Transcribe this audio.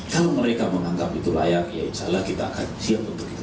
kalau mereka menganggap itu layak ya insya allah kita akan siap untuk itu